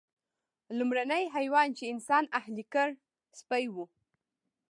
لومړنی حیوان چې انسان اهلي کړ سپی و.